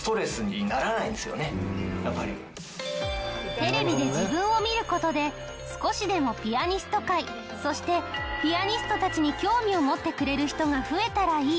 テレビで自分を見る事で少しでもピアニスト界そしてピアニストたちに興味を持ってくれる人が増えたらいい。